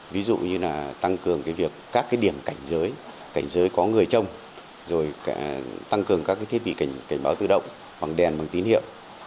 ví dụ như là tăng cường việc các điểm cảnh giới cảnh giới có người trông rồi tăng cường các thiết bị cảnh báo tự động bằng đèn bằng tín hiệu